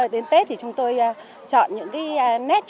nét truyền thống để chúng tôi thể hiện vào ngày tết ạ